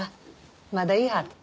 まだいはった。